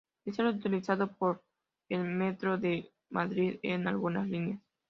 Es el utilizado por el Metro de Madrid en algunas líneas.